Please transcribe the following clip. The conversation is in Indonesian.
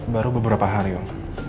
baru beberapa hari om